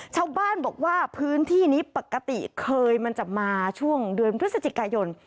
ชาวบ้านบอกว่าพื้นที่นี้ปกติเคยมันจะมาช่วงเดือนพฤศจิกายน